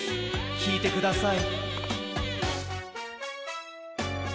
きいてください。